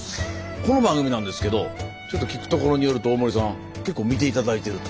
この番組なんですけどちょっと聞くところによると大森さん結構見て頂いてると？